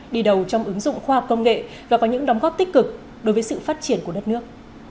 đi đầu trong ứng dụng khoa học công nghệ và có những đóng góp tích cực đối với sự phát triển của đất nước